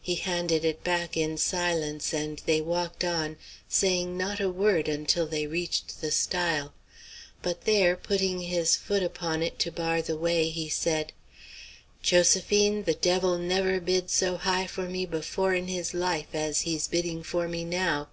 He handed it back in silence, and they walked on, saying not a word until they reached the stile. But there, putting his foot upon it to bar the way, he said: "Josephine, the devil never bid so high for me before in his life as he's bidding for me now.